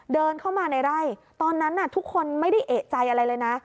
เดินเข้ามาในไร่ตอนนั้นทุกคนไม่ได้เอกใจอะไรเลยนะ